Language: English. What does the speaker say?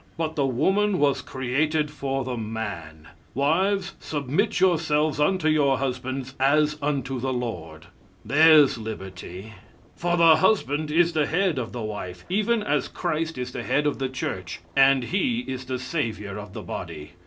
"But the woman was created for the man. Wives, submit yourselves unto your husbands, as unto the Lord." There's Liberty! "For the husband is the head of the wife, even as Christ is the head of the church; and he is the savior of the body.